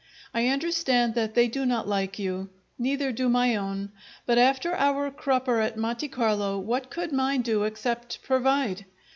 I understand that they do not like you; neither do my own, but after our crupper at Monte Carlo what could mine do, except provide?